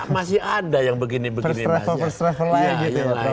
masih ada yang begini begini